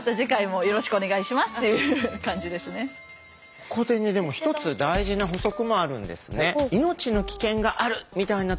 ここでね１つ大事な補足もあるんですね。